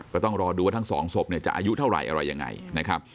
ก็ต้องรอดูว่าทั้งสองศพเนี่ยจะอายุเท่าไหร่อะไรยังไงนะครับ